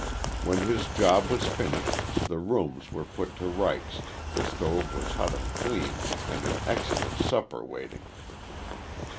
When his job was finished, the rooms were put to rights, the stove was hot and clean, and an excellent supper waiting.